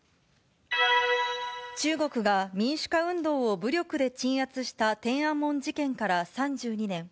中国が民主化運動を武力で鎮圧した天安門事件から３２年。